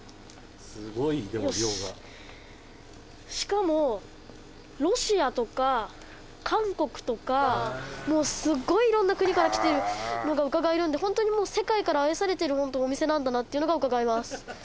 すごいでも量がよししかもロシアとか韓国とかすっごい色んな国から来てるのがうかがえるんで世界から愛されてるお店なんだなっていうのがうかがえます